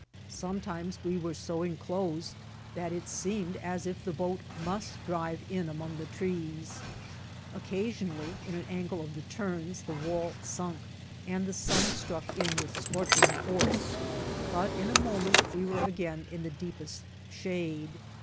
Sometimes we were so enclosed that it seemed as if the boat mi^st drive in among the trees. Occasionally, in an ang^e of the turns, the wall sunk, and the sun struck in with scorch ing force, but in a moment we were again in the deep est shade.